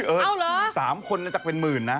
เอิร์ท๓คนจากเป็นหมื่นนะ